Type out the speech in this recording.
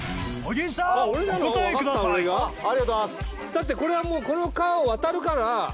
だってこれはもうこの川を渡るから。